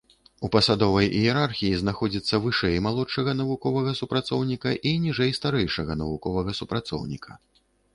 У пасадовай іерархіі знаходзіцца вышэй малодшага навуковага супрацоўніка і ніжэй старэйшага навуковага супрацоўніка.